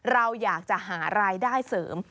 เราอยากจะหารายได้เสริม